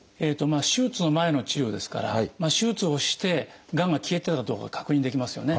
手術の前の治療ですから手術をしてがんが消えてたかどうか確認できますよね。